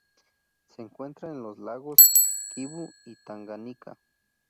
Se encuentra en los lagos Kivu y Tanganika.